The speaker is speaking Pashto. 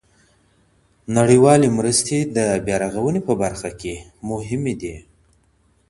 نړيوالي مرستي د بیارغونې په برخه کي مهمي دي.